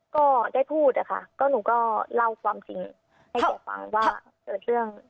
ก็ได้พูดอะค่ะก็หนูก็เล่าความจริงให้แกฟังว่าเกิดเรื่อง